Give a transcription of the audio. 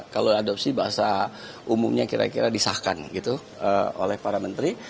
kalau adopsi bahasa umumnya kira kira disahkan gitu oleh para menteri